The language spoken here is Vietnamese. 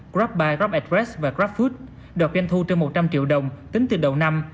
grabbike grabadress và grabfood đợt doanh thu trên một trăm linh triệu đồng tính từ đầu năm